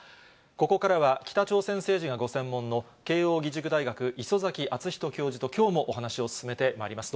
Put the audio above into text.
ここからは北朝鮮政治がご専門の慶応義塾大学、礒崎敦仁教授と、きょうもお話を進めてまいります。